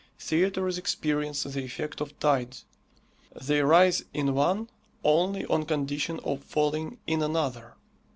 Theatres experience the effect of tides: they rise in one only on condition of falling in another.